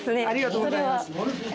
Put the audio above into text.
ありがとうございます。